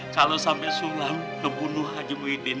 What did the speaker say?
kalau sampai sulam kebunuh haji muhyiddin